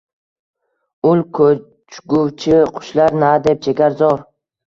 Ul ko‘chguvchi qushlar na deb chekar zor